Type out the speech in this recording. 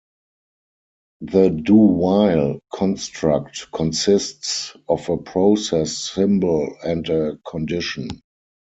The "do while" construct consists of a process symbol and a condition.